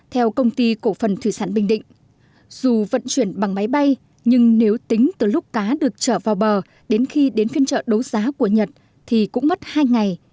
theo công ty cổ phần thủy sản bình định dù vận chuyển bằng máy bay nhưng nếu tính từ lúc cá được trở vào bờ đến khi đến phiên chợ đấu giá của nhật thì cũng mất hai ngày